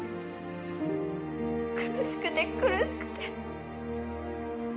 苦しくて苦しくて。